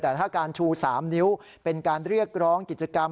แต่ถ้าการชู๓นิ้วเป็นการเรียกร้องกิจกรรม